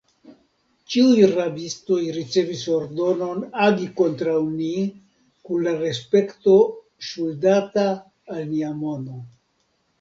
Ĉiuj rabistoj ricevis ordonon agi kontraŭ ni kun la respekto ŝuldata al nia mono.